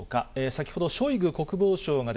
先ほど、ショイグ国防相が、